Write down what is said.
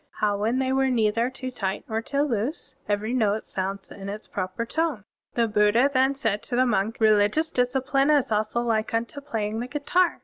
"How when they were neither too tight nor too loose?" "Every note sounds in its proper tone." The Buddha then said to the monk, " Religious disci pline is also like tmto playing the guitar.